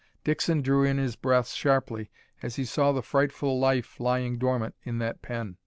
Dixon drew in his breath sharply as he saw the frightful life lying dormant in that pen.